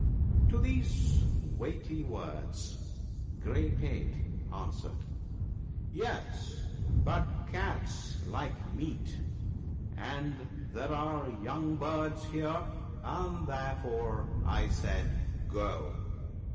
' To these weighty words Grey pate answered, " Yes ! but cats like meat, and there are young birds here, and therefore I said, go."